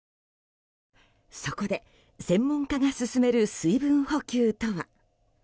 そこで、専門家が勧める水分補給とは。